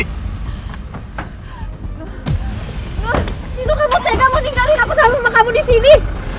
nino kamu tega mau ninggalin aku sama kamu disini